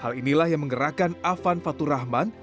hal inilah yang menggerakkan afan faturahman